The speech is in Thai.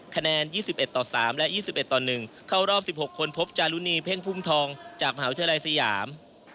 คะแนน๒๑ต่อ๓และ๒๑ต่อ๑เข้ารอบ๑๖คนพบจารุณีเพ่งพุ่มทองจากมหาวิทยาลัยสยาม